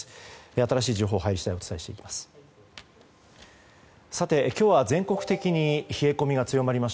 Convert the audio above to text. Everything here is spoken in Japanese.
新しい情報が入り次第お伝えしていきます。